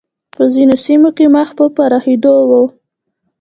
په ځینو سیمو کې مخ په پراخېدو و